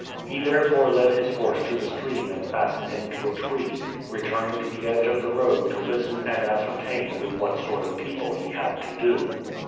He therefore led his horse to the stream and fastened him to a tree, returning to the edge of the road to listen and ascertain with what sort of people he had to do.